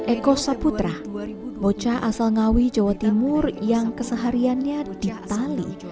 eko saputra bocah asal ngawi jawa timur yang kesehariannya di tali